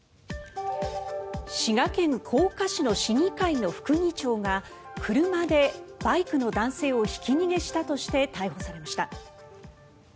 滋賀県甲賀市の市議会の副議長が車でバイクの男性をひき逃げしたとして逮捕されました。